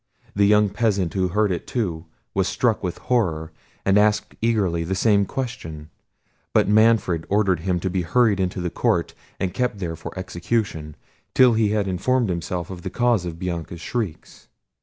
The young peasant, who heard it too, was struck with horror, and asked eagerly the same question; but Manfred ordered him to be hurried into the court, and kept there for execution, till he had informed himself of the cause of Bianca's shrieks.